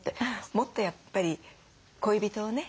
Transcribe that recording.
もっとやっぱり恋人をね